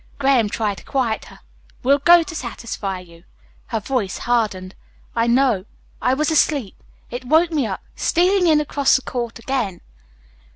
Graham tried to quiet her. "We'll go to satisfy you." Her voice hardened. "I know. I was asleep. It woke me up, stealing in across the court again."